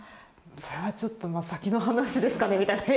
それはちょっとまあ先の話ですかねみたいな。え！